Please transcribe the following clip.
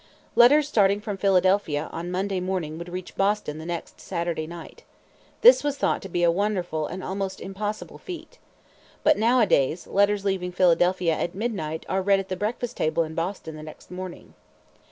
Letters starting from Philadelphia on Monday morning would reach Boston the next Saturday night. This was thought to be a wonderful and almost impossible feat. But nowadays, letters leaving Philadelphia at midnight are read at the breakfast table in Boston the next morning.